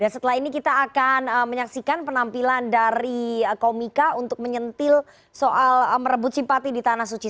dan setelah ini kita akan menyaksikan penampilan dari komika untuk menyentil soal merebut simpati di tanah suci